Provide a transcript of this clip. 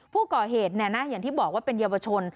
ผู้ก่อเหตุอย่างที่บอกว่าเป็นเยาวชน